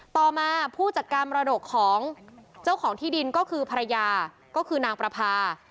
ต่อมาผู้จัดการมรดกของเจ้าของที่ดินก็คือภรรยาก็คือนางประพา